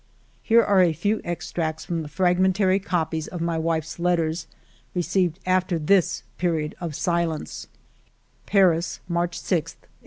Here are a few extracts from the fragmentary copies of my wife's letters, received after this period of silence :— "Paris, March 6, 1898.